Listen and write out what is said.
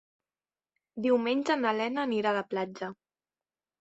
Diumenge na Lena anirà a la platja.